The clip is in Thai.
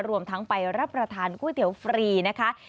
รวมทั้งไปรับประทานก๋วยเตี๋ยวฟรีนะคะ